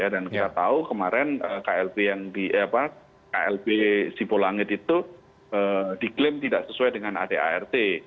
dan kita tahu kemarin klb sipo langit itu diklaim tidak sesuai dengan adart